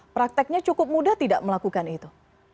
prakteknya cukup mudah tidak melakukan itu